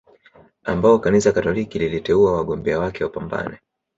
ambao Kanisa Katoliki liliteua wagombea wake wapambane